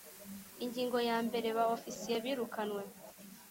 Ingingo ya mbere Ba Ofisiye birukanwe